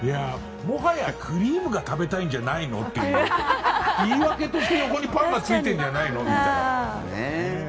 もはや、クリームが食べたいんじゃないの？っていう言い訳として横にパンがついているんじゃないのって。